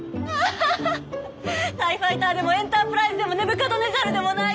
タイファイターでもエンタープライズでもネブカドネザルでもない！